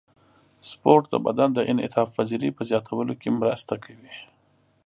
سپورت د بدن د انعطاف پذیرۍ په زیاتولو کې مرسته کوي.